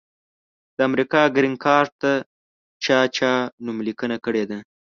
د امریکا ګرین کارټ ته چا چا نوملیکنه کړي ده؟